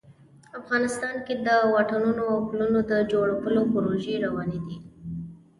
افغانستان کې د واټونو او پلونو د جوړولو پروژې روانې دي